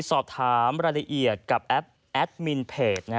สอบถามรายละเอียดกับแอดมินเพจ